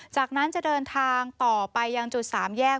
จากนั้นจะเดินทางต่อไปยังจุดสามแยก